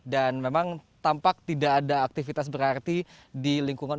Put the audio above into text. dan memang tampak tidak ada aktivitas berarti di lingkungan